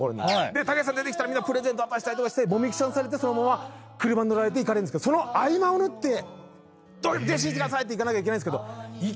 たけしさん出てきたらプレゼント渡したりもみくちゃにされて車に乗られて行かれるんですけどその合間を縫って弟子にしてくださいって行かなきゃいけないんですけど。